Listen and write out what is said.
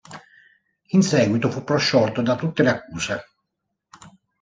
In seguito fu prosciolto da tutte le accuse.